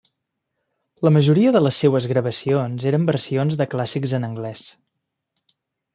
La majoria de les seues gravacions eren versions de clàssics en anglès.